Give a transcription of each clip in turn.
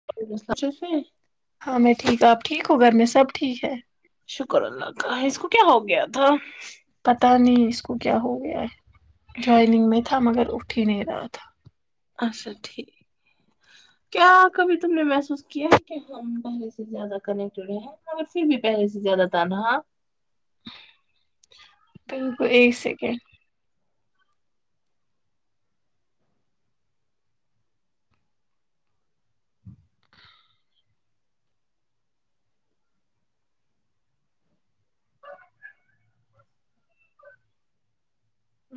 [unintelligible] ہاں میں ٹھیک ہ آپ ٹھیک ہوں گھر میں سب ٹھیک ہے شکر اللہ کا اس کو کیا ہو گیا تھا پتا نہیں اس کو کیا ہو گیا ہے جوائننگ میں تھا مگر اٹھ ہی نہیں رہا تھا اچھا ٹھیک کیا کبھی تم نے محسوس کیا ہے کہ ہم پہلے سے زیادہ کنیکٹڈ ہیں مگر پھر بھی پہلے سے زیادہ تنہا ب کو [unintelligible] ایک سیکنڈ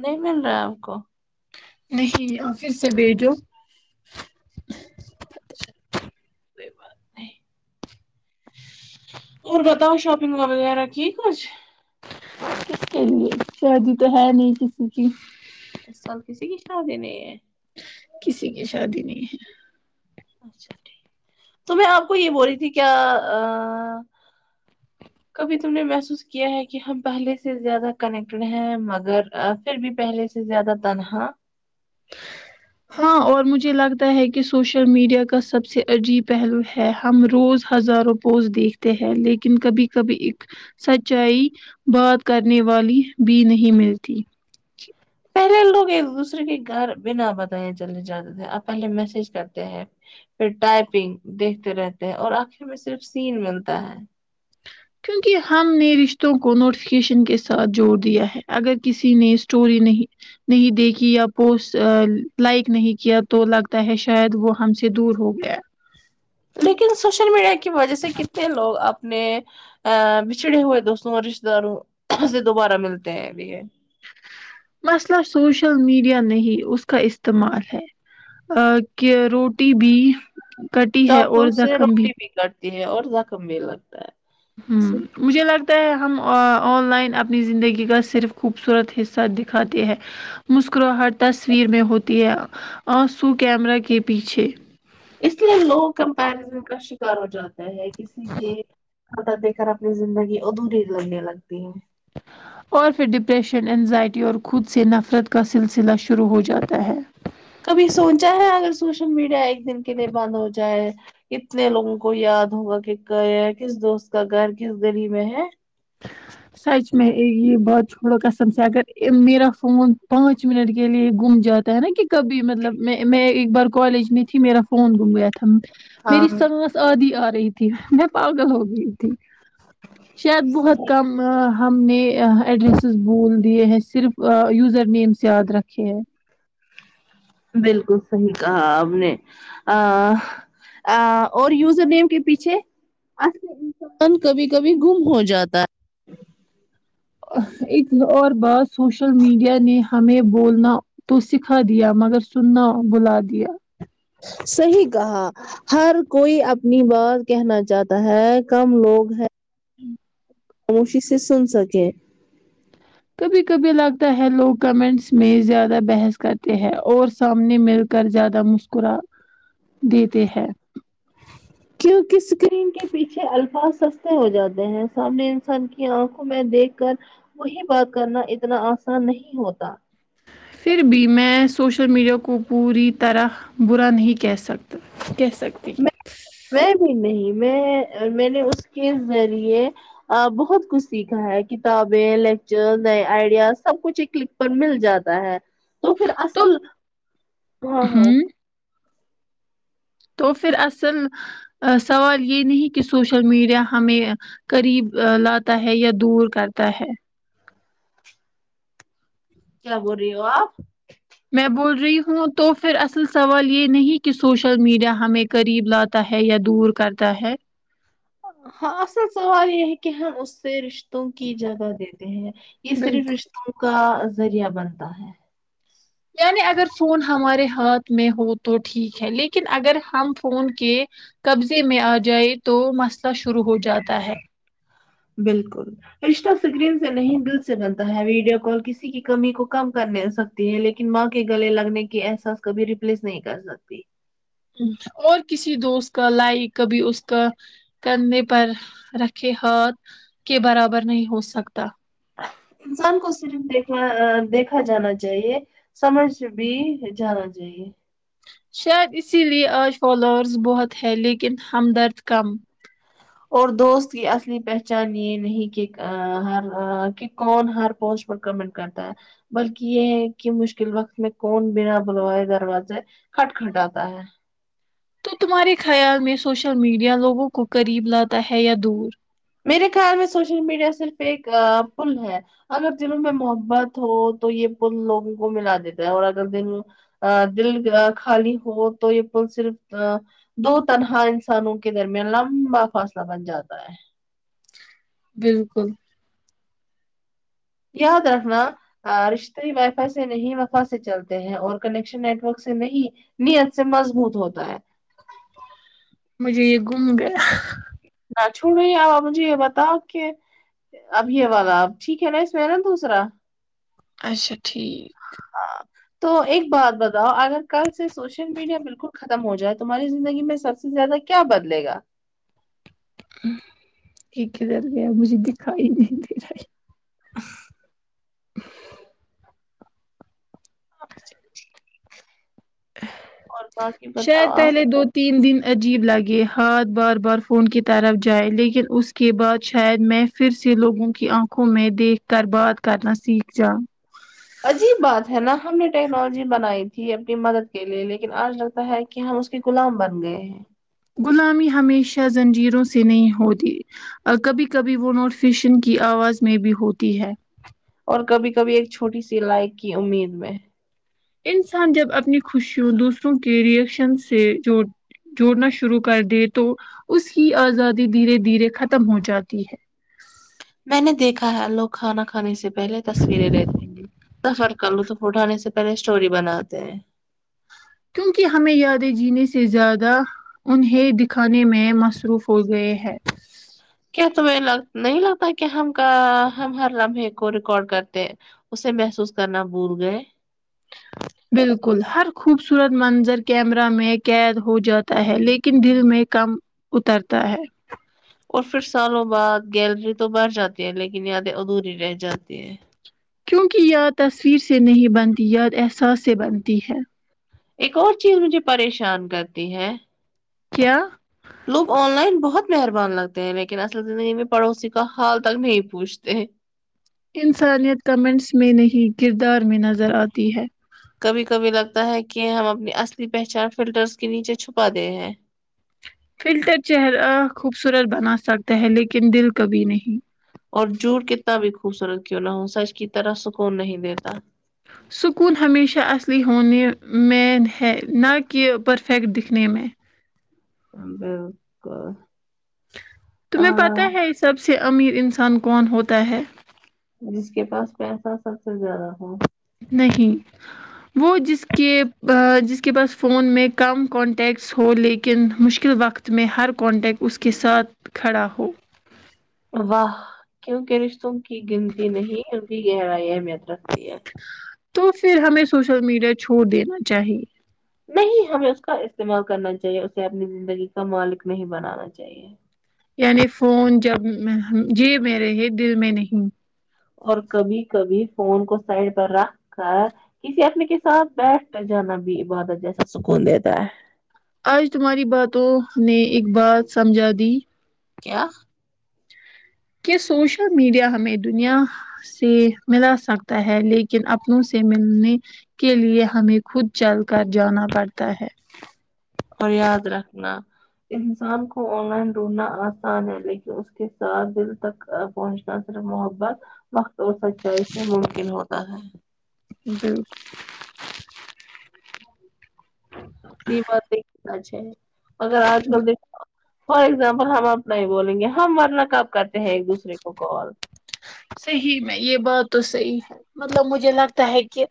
نہیں مل رہا ہے آپ کو نہیں آفس سے بھیجو اچھا ٹھیک کوئی بات نہیں اور بتاؤ شاپنگ وغیرہ کی کچھ شادی تو ہے نہیں کسی کی اس سال کسی کی شادی نہیں ہے کسی کی شادی نہیں ہے اچھا ٹھیک تو میں آپ کو یہ بول رہی تھی کیا کبھی تم نے محسوس کیا ہے کہ ہم پہلے سے زیادہ کنیکٹیڈ ہیں مگر پھر بھی پہلے سے زیادہ تنہا ہاں اور مجھے لگتا ہے کہ سوشل میڈیا کا سب سے عجیب پہلو ہے ہم روز ہزاروں پوز دیکھتے ہیں لیکن کبھی کبھی ایک سچائی بات کرنے والی بھی نہیں ملتی ارے ہم لوگ ایک دوسرے کے گھر بنا بتایا چلنے جاتے تھے آپ پہلے میسج کرتے ہیں پھر ٹائپنگ دیکھتے رہتے ہیں اور آخری میں صرف سین ملتا ہے کیونکہ ہم نے رشتوں کو نوٹیفکیشن کے ساتھ جوڑ دیا ہے اگر کسی نے اسٹوری نہیں نہیں دیکھی یا پوسٹ لائک نہیں کیا تو لگتا ہے شاید وہ ہم سے دور ہو گیا لیکن سوشل میڈیا کی وجہ سے کتنے لوگ آپ مے ا بچھڑے ہوئے دوستوں اور رشتے داروں سے دوبارہ ملتے ہیںب مسئلہ سوشل میڈیا نہیں اس کا استعمال ہے ا کہ روٹی بھی کٹی ہے اور زخم بھی تی ہے اور زخم بھییر لگتا ہے ہمم مجھے لگتا ہے ہم آن لائن اپنی زندگی کا صرف خوبصورت حصہ دکھاتے ہیں مسکراہٹ تصویر میں ہوتی ہے آنسو کیمرہ کے پیچھے اس لیے لوگ کمپریزن کا شکار ہو جاتا ہے کسی کے چھوٹا دیکھ کر اپنی زندگی ادھورری لگنے لگتی ہے [unintelligible] اور پھر ڈپریشن انینزائٹی اور خود سے نفرت کا سلسلہ شروع ہو جاتا ہے کبھی سوچا ہے اگر سوشل میڈیا ایک دن کے لیے بند ہو جائے کتنے لوگوں کو یاد ہوگا کہ گ کس دوست کا گھر کس گلی میں ہے ج [unintelligible] سچ میں یہ بات چوڑا کسم سے اگر میرا فون پانچ منٹ کے لییے گم جات نا کہ کبھی مطلب میں میں ایک بار کالج میں تھی میرا فون گم گیا تھا ہاں میری ساس آدھی آ رہی تھی میں پاگل ہو گئی تھی شاید بہت کم ہم نے ایڈریسز بول دیے ہیں صرف یوزر نیمس یاد رکھے ہیں بالکل صحیح کہا آپ نےآآہ اور یوزر نیم کے پیچھے اصل انسان کبھی کبھی گم ہو جاتا ہے ایک اور بار سوشل میڈیا نے ہمیں بولنا تو سکھا دیا مگر سننا بھلا دیا صحیح کہا ہر کوئی اپنی بات کہنا چاہتا ہے کم لوگ ہے ہمم اونشیس سے سن سکتی ہے کبھی کبھی لگتا ہے لوگ کمنٹس میں زیادہ بھس کرتے ہیں اور سامنے مل کر زیادہ مس کورا دیتے ہیں کیونکی اسکرین کے پیچھے الفاظ سستے ہو جاتے ہیں سامنے انسان کی آنکھوں میں دیکھ کر کوئی بات کرنا اتنا آسان نہیں ہوتا پھر بھی میں سوشل میڈیا کو پوری طرح برا نہیں کہہ سکتی کہہ سکتی میں میں بھی نہیں میں میں نے اس کے ذریعے بہت کچھ سیکھا ہے کتابیں لیکچر نئے آئیڈیاز سب کچھ ایک کلک پر مل جاتا ہے تو پھر تو اصل ہاں ہاں ہوں تو پھر اصل سوال یے نہیں کی سوشل میڈیا ہمیں قریب لاتا ہے یا دور کرتا ہے کیا بول رہی ہو آپ میں بول رہی ہوں تو پھر اصل سوال یے نہیں کی سوشل میڈیا ہمیں قریب لاتا ہے یا دور کرتا ہے ہاں اس اصل سوال یہی ہے کے اس رش توں کی جگہ دیتے ہیں یے ہے صرف رشتوں کا ذریعہ بنتا ہے یعنی اگر فون ہمارے ہاتھ میں ہو تو ٹھیک ہے لیکن اگر ہم فون کے قبضے میں آ جائے تو مسئلہ شروع ہو جاتا ہے بالکل رشتہ اسکرین سے نہیں دل سے بنتا ہے ویڈیو کال کسی کی کمی کو کم کرنے نہیں سک تی ہے لیکن ماں کے گلے لگنے کی احساس کبھی ریپلیس نہیں کر سکتی اور کسی دوست کا لائ کبھی اس کا کندھے پر رکھے ہاتھ کے برابر نہیں ہو سکتا انسان کو صرف دیکھنا آ دیکھا جانا چاہیے سمجھ بھی جانا چاہے شاید اسی لیے آج فالوورز بہت ہے لیکن ہمدرد کم اور دوست کی اصلی پہچان یے نہیں کہ ہر کی کون ہر پوسٹ کمنٹ کرتا ہے بلکی یے ہے کی مشکل وقت میں کون بنا بلوائے دروازے کھٹکھٹا تا ہے تو تمہارے خیال میں سوشل میڈیا لوگوں کو قریب لاتا ہے یا دور میرے خیال میں سوشل میڈیا صرف ایک پل ہے اگر دلوں میں محبت ہو تو یے پل لوگوں کو ملا دیتا ہے اور اگر دلوں آ دل خالی ہو تو یے پل صرف دو تنہا انسانوں کے درمیان لمبا فاصلہ بن جاتا ہے بالکل یاد رکھنا رشتے وائی فائی سے نہیں وفا سے چلتے ہیں اور کنیکشن نیٹ ورک سے نہیں نیت سے مضبوط ہوتا ہے مجھے یے گم گیا نہ چھومی اب آپ مجھے یے بتاؤ کہ اب یے والا اب ٹھیک ہے نا اس میں نا دوسرا اچھا ٹھیک ہاں تو ایک بات بتاؤ اگر کل سے سوشل میڈیا بالکل ختم ہو جائے تمہاری زندگی میں سب سے سے زیادہ کیا بدلے گا ایک کدھر گیا مجھے دکھائی ہی نہیں دے رہا ہے اچھا ٹھیک شہید پہلے دو تین دن عجیب لگے ہاتھ بار بار فون کی طرف جائے لیکن اس کے بعد شاید میں پھر سے لوگوں کی آنکھوں میں دیکھ کر بات کرنا سیکھ جاو عجیب بات ہے نا ہم نے ٹیکنالوجی بنائی تھی اپنی مدد کے لیے لیکن آج لگتا ہے کہ ہم اس کے غلام بن گئے ہیں غلامی ہمیشہ زنجیروں سے نہیں ہوتی کبھی کبھی وہ نوٹ فیشن کی آواز میں بھی ہوتی ہے اور کبھی کبھی ایک چھوٹی سی لائک کی امید میں انسان جب اپنی خوشیوں دوسروں کے ریئیکشن سے جو جوڑنا شروع کر دے تو اس کی آزادی دھیرے دھیرے ختم ہو جاتی ہے میں نے دیکھا ہے لوگ کھانا کھانے سے پہلے تصویریں لیتے ہ گے سفر کر لو تو اٹھانے سے پہلے اسٹوری بناتے ہیں کیونکہ ہمیں یادیں جینے سے زیادہ انہیں دکھانے میں مصروف ہو گئے ہیں کیا تمہی لگ نہیں لگتا ہے ک ہم کا ہم ہر لمحے کو ریکارڈ کرتے ہیں اسے محسوس کرنا بول گئے بالکل ہر خوبصورت منظر کیمرہ میں قید ہو جاتا ہے لیکن دل میں کم اترتا ہے اور پھر سالوں بعد گیلری تو بر جاتی ہے لیکن یادیں ادھوری رہ جاتی ہے کیونکہ یاد تصویر سے نہیں بنتی یاد احساس سے بنتی ہے ایک اور چیز مجھے پریشان کرتی ہے کیا لوگ آن لائن بہت مہربان لگتے ہیں لیکن اصل زندگی میں پڑوسی کا حال تک نہیں پوچھتے ہیں انسانیت کمنٹس میں نہیں کردار میں نظر آتی ہے کبھی کبھی لگتا ہے کہ ہم اپنی اصلی پہچان فلٹرس کے نیچے چھپا دے ہیں فلٹر چہر ا خوبصورت بنا سکتا ہے لیکن دل کبھی نہیں اور جوٹ کتنا بھی خوبصورت کیوں نہ ہو سچ کی طرح سکون نہیں دیتا سکون ہمیشہ اصلی ہونے میں ہے نہ کہ پرف افیکٹ دکھنے میں بلکل تمہیں پتہ ہے سب سے امیر انسان کون ہوتا ہے جس کے پاس پیسہ سب سے زیادہ ہو نہیں وہ جس کے جس کے پاس فون میں کم کانٹیکٹس ہو لیکن مشکل وقت میں ہر کانٹیکٹ اس کے ساتھ کھڑا ہو واہ کیونکہ رشتوں کی گنتی نہیں ان کی گہرای اہمیت رکھتی ہے تو پھر ہمیں سوشل میڈیا چھوڑ دینا چاہیے نہیں ہمیں اس کا استعمال کرنا چاہیے اسے اپنی زندگی کا مالک نہیں بنانا چاہیے یعنی فون جب جی میرے یہ دل میں نہیں اور کبھی کبھی فون کو سائڈ پر رکھ کر کسی آدمی کے ساتھ بیٹھ جانا بھی عبادت جیسا سکون دیتا ہے آج تمہاری باتوں نے ایک بات سمجھا دی کیا کہ سوشل میڈیا ہمیں دنیا سے ملا سکتا ہے لیکن اپنوں سے ملنے کے لیے ہمیں خود چل کر جانا پڑتا ہے اور یاد رکھنا انسان کو آن لائن ڈھونڈنا آسان ہے لیکن اس کے ساتھ دل تک پہنچنا صرف محبت وقت اور سچائی سے ممکن ہوتا ہے بالکل یہ بات نہیں ا [unintelligible] ھ اگر آج کل دیکھ فار ایگزامپل ہم اپنا ہی بولیں گے ہم ورنہ کب کرتے ہیں ایک دوسرے کو کال صحیح میں یہ بات تو صحیح ہے مطلب مجھے لگتا ہے کہ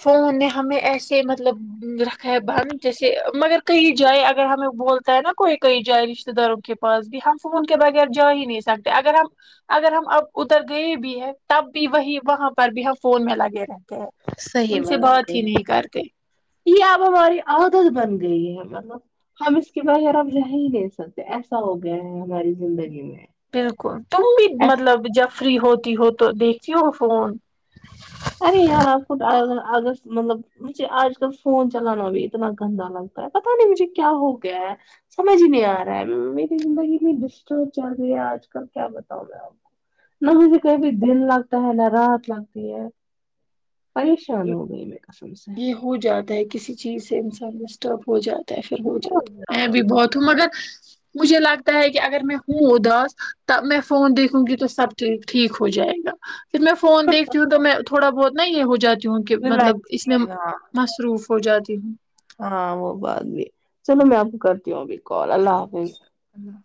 فون ہمیں ایسے مطلب رکھے ہے بند جیسے مگر کہئی جائے اگر ہمیں بولتا ہے نا کوئی کہئی جائے رشتے داروں کے پاس بھی ہم فون کے بغیر جا ہی نہیں سکتے اگر ہم اگر ہم اتر گئے بھی ہے تب بھی وہی وہاں پر بھی ہم فون میں لگے رہے صحیح ان سے بات کہی ہی نہیں کرتے یہ اب ہماری عادت بن گئی ہے مطلب ہم اس کے بغیر اب رہ ہی نہیں سکتے ایسا ہو گیا ہے ہماری زندگی میں بالکل تم بھی مطلب جب فری ہوتی ہو تو دیکھتی ہو فون ارے یار آپ کو اگست مطلب مجھے آج کل فون چلانا بھی اتنا گندا لگتا ہے پتا نہیں مجھے کیا ہو گیا ہے سمجھ ہی نہیں آ رہا ہے میری زندگی اتنی ڈسٹرب چل رہی ہے آج کل کیا بتاؤں میں آپ کو نہ مجھے کہیں بھی دن لگتا ہے نہ رات لگتی ہے پریشان ہو گئی میں قسم سے یہ ہو جاتا ہے کسی چیز سے انسان ڈسٹرب ہو جاتا ہے پھر ہو بہت جاتا میں زیادہ بھی بہت ہ مگر مجھے لگتا ہے کہ اگر میں ہوں اداس ت میں فون دیکھوں گ تو سب ٹھیک ہو جائے گا پھر میں فون دیکھتی ہوں تو میں تھوڑا بہت نا یہ ہو جاتی ہوں کہ مطلب اس میں مصروف ہو جاتی ہوں ہاں وہ بات بھی چلو میں آپ کو کرتی ہوں ابھی کال اللہ حافظ اوکے اللہ